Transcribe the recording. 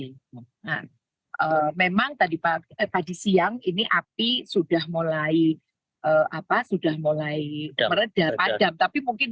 nah memang tadi pagi siang ini api sudah mulai apa sudah mulai meredah padam tapi mungkin